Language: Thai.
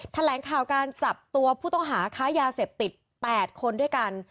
แถลงข่าวการจับตัวผู้ต้องหาค้ายาเสพติด๘คนด้วยกัน